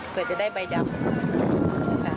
เพื่อจะได้ใบดำ